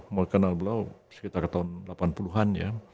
mau kenal beliau sekitar tahun delapan puluh an ya